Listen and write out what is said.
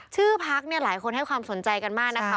ชื่อพักเนี่ยหลายคนให้ความสนใจกันมากนะคะ